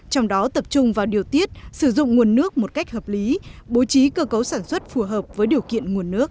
trong đó tập trung vào điều tiết sử dụng nguồn nước một cách hợp lý bố trí cơ cấu sản xuất phù hợp với điều kiện nguồn nước